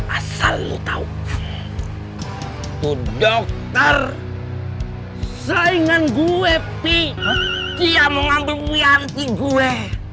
asal lu tau tuh dokter saingan gue pi dia mau ngantuk wianti gue